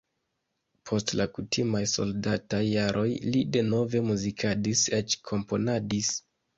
Post la kutimaj soldataj jaroj li denove muzikadis, eĉ komponadis.